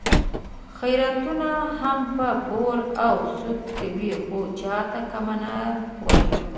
خیراتونه هم په پور او سود کوي، خو چاته کمه نه وایي.